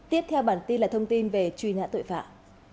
tiếp theo bản tin là thông tin về truy nã tội phạm